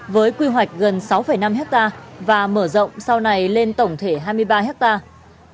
với quy hoạch gần sáu năm hectare và mở rộng sau này lên tổng thể hai mươi ba hectare